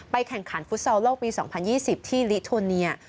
แข่งขันฟุตซอลโลกปี๒๐๒๐ที่ลิโทเนีย